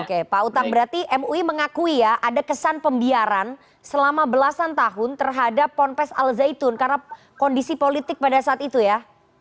oke pak utang berarti mui mengakui ya ada kesan pembiaran selama belasan tahun terhadap ponpes al zaitun karena kondisi politik pada saat itu ya